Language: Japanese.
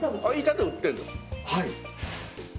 はい。